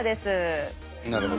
なるほどね。